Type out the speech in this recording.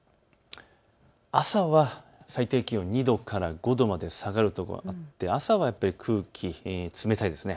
朝は最低気温２度から５度まで下がる所があって、朝は空気、冷たいです。